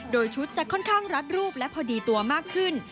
โดยชุดจะค่อนข้างรัดรูปและพอดีตัวมากขึ้น